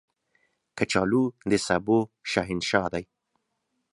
کچالو د سبو شهنشاه دی